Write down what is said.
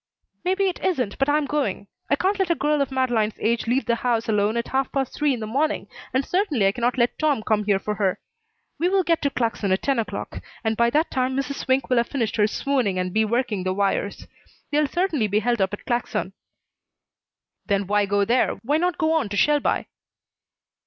"Maybe it isn't, but I'm going. I can't let a girl of Madeleine's age leave the house alone at half past three in the morning, and certainly I cannot let Tom come here for her. We will get to Claxon at ten o'clock and by that time Mrs. Swink will have finished her swooning and be working the wires. They'll certainly be held up at Claxon." "Then why go there? Why not go on to Shelby?"